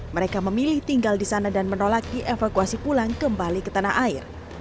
mereka memilih tinggal di sana dan menolak dievakuasi pulang kembali ke tanah air